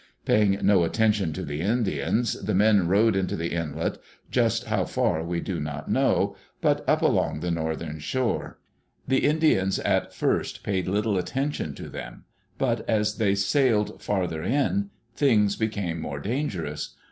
Paying no attention to the Indians, the men rowed into the inlet, just how far we do not know, but up along the northern shore. The Indians at first paid little attention to them, but as they sailed farther in things became more dangerous.